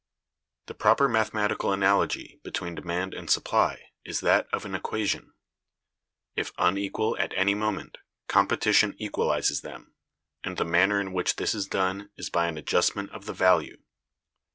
The proper mathematical analogy [between demand and supply] is that of an equation. If unequal at any moment, competition equalizes them, and the manner in which this is done is by an adjustment of the value.